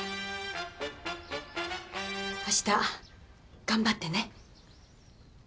あした頑張ってね。